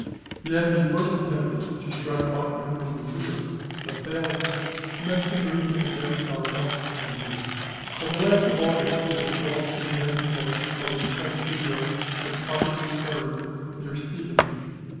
The enemy first attempted to strike Buckner in the rear, but failing, commenced a movement against our left and rear. On the last of August he had crossed his main force over the Tennessee River at Carpenter's Ferry, near Stevenson.